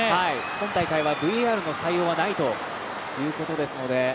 今大会は、ＶＡＲの採用はないということですので。